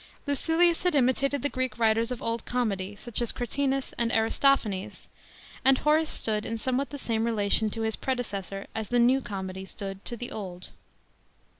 Lucilius had imitated the Greek writers of Old Comedy, such as Cratinus and Aristophanes ; «nd Horace stood in somewhat the same relation to his predecessor as the New Comedy • stood to the Old.